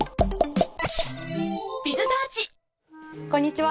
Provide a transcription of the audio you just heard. こんにちは。